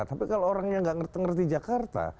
tapi kalau orangnya gak ngerti jakarta